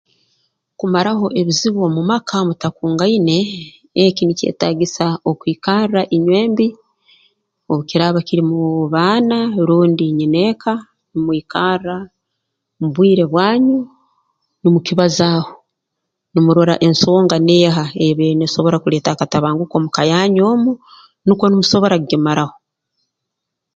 Kumaraho ebizibu omu maka mutakungaine eki nikyetaagisa okwikarra inywembi obu kiraaba kiri muu baana rundi nyineeka numwikarra mu bwire bwanyu numukibazaaho numurora ensonga neeha eyeebaire neesobora kuleeta akatabanguko muka yanyu omu nukwo numusobora kugimaraho